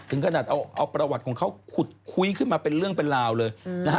ขนาดเอาประวัติของเขาขุดคุยขึ้นมาเป็นเรื่องเป็นราวเลยนะฮะ